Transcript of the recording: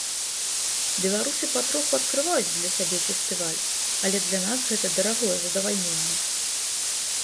Беларусы патроху адкрываюць для сябе фестываль, але для нас гэта дарагое задавальненне.